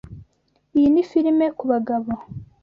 Iyi ni firime kubagabo.